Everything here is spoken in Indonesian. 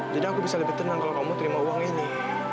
jadi aku bisa lebih tenang kalau kamu terima uang ini